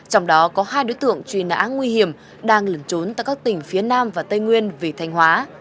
trong đó có hai đối tượng truy nã nguy hiểm đang lẩn trốn tại các tỉnh phía nam và tây nguyên về thanh hóa